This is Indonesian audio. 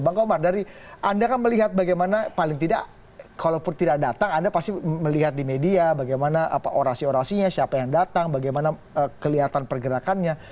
bang komar dari anda kan melihat bagaimana paling tidak kalau tidak datang anda pasti melihat di media bagaimana orasi orasinya siapa yang datang bagaimana kelihatan pergerakannya